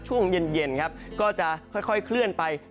ช่วงเย็นครับก็จะค่อยเคลื่อนไป